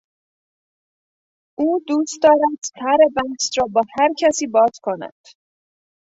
او دوست دارد سر بحث را با هر کسی باز کند.